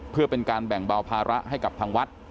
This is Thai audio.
เพื่อเป็นการแบ่งเบาภาระให้กับทางวัด